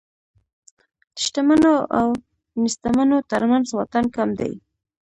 د شتمنو او نېستمنو تر منځ واټن کم دی.